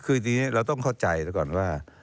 คือทีนี้เราต้องเข้าใจแต่ก่อนว่า